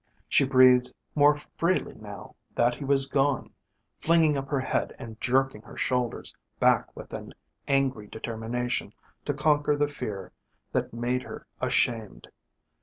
She breathed more freely now that he was gone, flinging up her head and jerking her shoulders back with an angry determination to conquer the fear that made her ashamed.